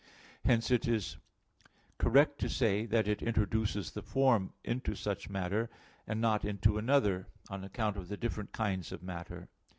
Hence it is correct to say that it introduces the form into such matter, and not into another, on account of the different kinds of matter.